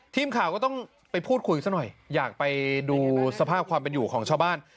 ทีมข่าวก็ต้องไปพูดคุยซะหน่อยอยากไปดูสภาพความเป็นอยู่ของชาวบ้าน